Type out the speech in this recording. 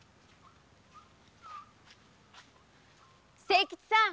清吉さん